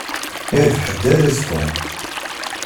Irbeḥ-d araz Tom.